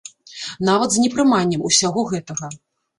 Нават з непрыманнем усяго гэтага.